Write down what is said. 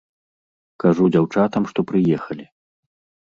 Кажу дзяўчатам, што прыехалі.